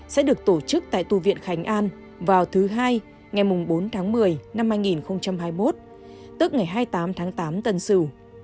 sẽ được tổ chức tại tu viện khánh an vào thứ hai ngày bốn tháng một mươi năm hai nghìn hai mươi một tức ngày hai mươi tám tháng tám tân sửu